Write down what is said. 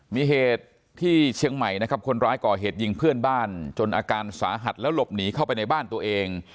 มีเหตุที่เชียงใหม่นะครับคนร้ายก่อเหตุยิงเพื่อนบ้านจนอาการสาหัสแล้วหลบหนีเข้าไปในบ้านตัวเอง